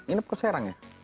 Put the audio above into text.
ini kok serang ya